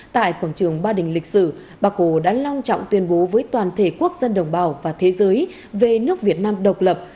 tại quảng trường ba đình lịch sử bác hồ đã long trọng tuyên bố với toàn thể quốc dân đồng bào và thế giới về nước việt nam độc lập